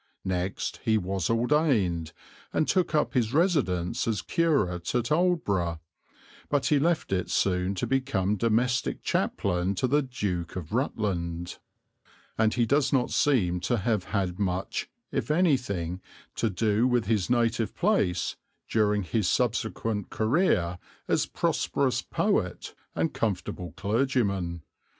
Next he was ordained and took up his residence as curate at Aldeburgh, but he left it soon to become domestic chaplain to the Duke of Rutland; and he does not seem to have had much, if anything, to do with his native place during his subsequent career as prosperous poet and comfortable clergyman.